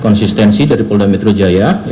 konsistensi dari polda metro jaya